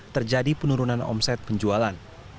terjadi penurunan omset penjualan